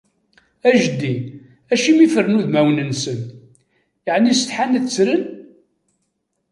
A jeddi, acimi fren udmawen-nsen? Yaɛni setḥan ad ttren?